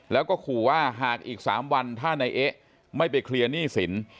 แล้วก็ขู่ว่าหากอีก๓วันถ้านายเอ๊ะไม่ไปเคลียร์หนี้สิน